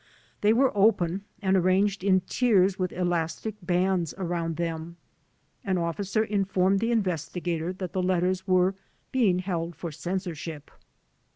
They were open and arranged in tiers with elastic bands around them. An officer informed the investigator that the let ters were being held for censorship.